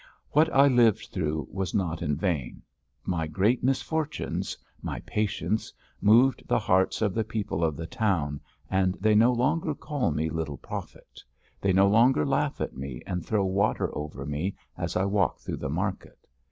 What I lived through was not in vain. My great misfortunes, my patience, moved the hearts of the people of the town and they no longer call me "Little Profit," they no longer laugh at me and throw water over me as I walk through the market.